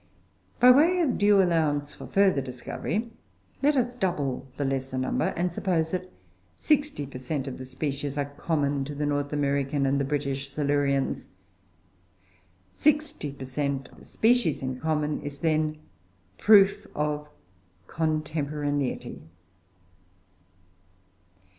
By way of due allowance for further discovery, let us double the lesser number and suppose that 60 per cent. of the species are common to the North American and the British Silurians. Sixty per cent. of species in common is, then, proof of contemporaneity.